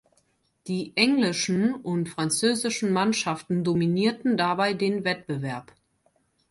Die englischen und französischen Mannschaften dominierten dabei den Wettbewerb.